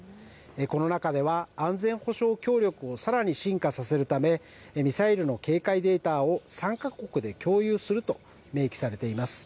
この中では、安全保障協力をさらに深化させるため、ミサイルの警戒データを３か国で共有すると明記されています。